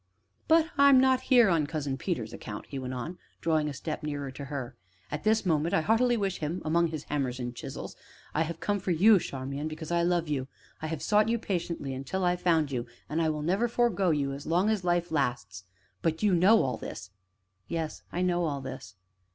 "But I am not here on Cousin Peter's account," he went on, drawing a step nearer to her, "at this moment I heartily wish him among his hammers and chisels I have come for you, Charmian, because I love you. I have sought you patiently until I found you and I will never forego you so long as life lasts but you know all this." "Yes, I know all this."